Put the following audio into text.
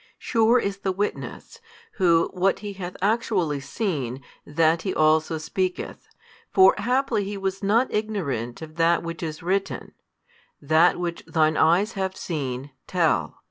Sure is the witness; who, what he hath actually seen, that he also speaketh. For haply he was not ignorant of that which is written, That which thine eyes have seen, tell.